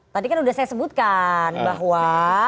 tadi kan sudah saya sebutkan bahwa